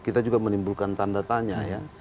kita juga menimbulkan tanda tanya ya